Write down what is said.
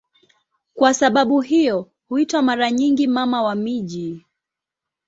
Kwa sababu hiyo huitwa mara nyingi "Mama wa miji".